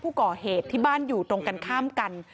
ผู้ก่อเหตุที่บ้านอยู่ตรงกันข้ามกัน